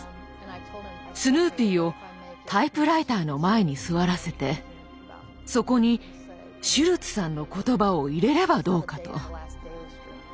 スヌーピーをタイプライターの前に座らせてそこにシュルツさんの言葉を入れればどうかと。